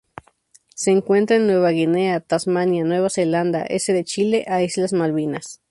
Se encuentran en Nueva Guinea, Tasmania, Nueva Zelanda, S. de Chile a Islas Malvinas.